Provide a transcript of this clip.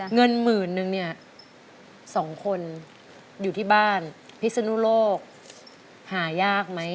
เงินหมื่นนึงเนี่ย๒คนอยู่ที่บ้านพิศนุโลกหายากไหม